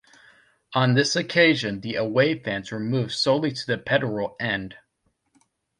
On this occasion the away fans were moved solely to the Petteril End.